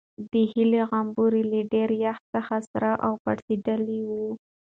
د هیلې غومبوري له ډېر یخ څخه سره او پړسېدلي وو.